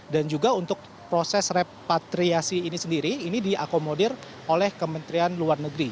dan juga untuk proses repatriasi ini sendiri ini diakomodir oleh kementerian luar negeri